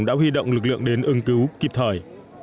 đã huy động lực lượng đến ứng cứu kịp thời